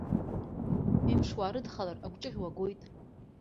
Ҩымш уаарыдхалар, агәҿыӷь уагоит.